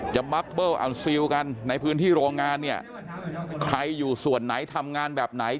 จะในพื้นที่โรงงานเนี้ยใครอยู่ส่วนไหนทำงานแบบไหน